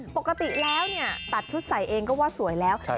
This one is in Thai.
ปกติแล้วเนี่ยตัดชุดใส่เองก็ว่าสวยแล้ว